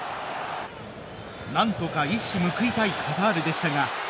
なんとか一矢報いたいカタールでしたが。